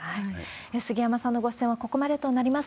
杉山さんのご出演はここまでとなります。